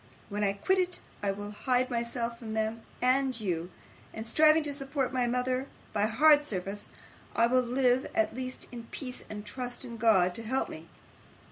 When I quit it, I will hide myself from them and you, and, striving to support my mother by hard service, I will live, at least, in peace, and trust in God to help me.